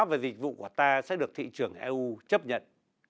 và dịch vụ của ta sẽ được thị trường eu chấp nhận